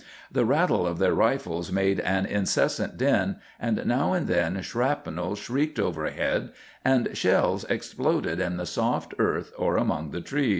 The rattle of their rifles made an incessant din, and now and then shrapnel shrieked overhead and shells exploded in the soft earth or among the trees.